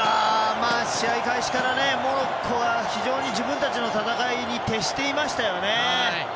試合開始からモロッコは非常に自分たちの戦いに徹していましたよね。